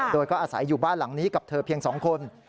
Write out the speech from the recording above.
โดยก็อาศัยอยู่บ้านหลังนี้กับเธอเพียง๒คน